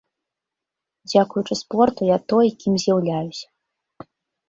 Дзякуючы спорту я той, кім з'яўляюся.